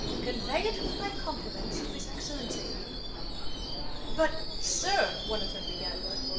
Convey it with my compliments to his excellency." "But, sir..." one of them began.